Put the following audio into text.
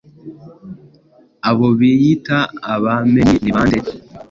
abo biyita abamenyi ni bande